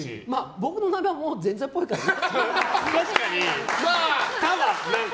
僕の名前がもう前座っぽいからね。